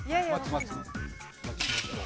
待ちましょう。